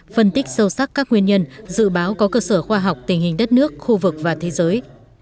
phân tích sâu sắc các nguyên nhân dự báo có cơ sở khoa học tình hình đất nước khu vực và thế giới